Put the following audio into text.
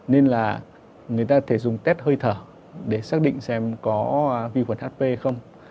nên người ta có thể dùng test hơi thở để xác định xem có vi khuẩn hp không